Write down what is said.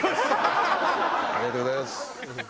ありがとうございます。